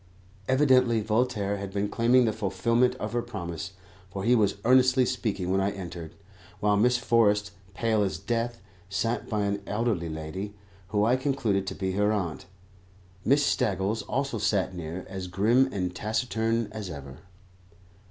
Evidently Voltaire had been claiming the fulfilment of her promise, for he was earnestly speaking when I entered, while Miss Forrest, pale as death, sat by an elderly lady, who I concluded to be her aunt. Miss Staggles also sat near, as grim and taciturn as ever.